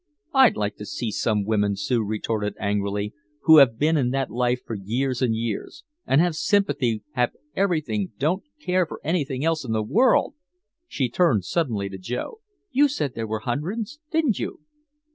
"I'd like to see some women," Sue retorted angrily, "who have been in that life for years and years, and have sympathy, have everything, don't care for anything else in the world!" She turned suddenly to Joe. "You said there were hundreds, didn't you?"